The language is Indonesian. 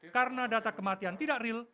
karena data kematian tidak real